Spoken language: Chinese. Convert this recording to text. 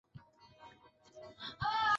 微睾短腺吸虫为双腔科短腺属的动物。